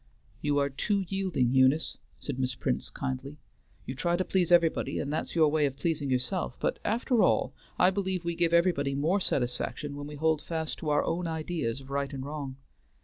"You are too yielding, Eunice," said Miss Prince kindly. "You try to please everybody, and that's your way of pleasing yourself; but, after all, I believe we give everybody more satisfaction when we hold fast to our own ideas of right and wrong.